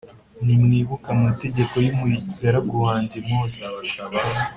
“Nimwibuke amategeko y’umugaragu wanjye Mose